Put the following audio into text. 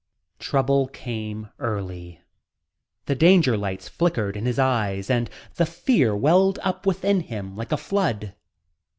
Trouble came early. The danger lights flickered in his eyes and the fear welled up within him like a flood.